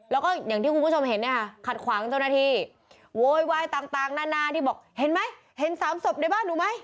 แล้วก็อย่างที่คุณผู้ชมเห็นเนี่ยค่ะขัดขวางเจ้าหน้าที่โวยวายต่างนานาที่บอกเห็นไหมเห็นสามศพในบ้านหนูไหม